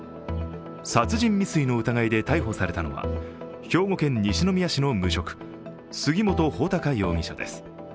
殺人未遂の疑いで逮捕されたのは兵庫県西宮市の無職、杉本武尊容疑者です。